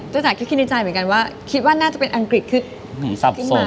จากเขียนในใจเหมือนกันว่าคิดว่าน่าจะเป็นอังกฤษซับสม